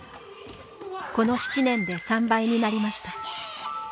この７年で３倍になりました。